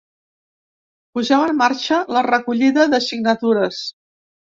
Posem en marxa la recollida de signatures.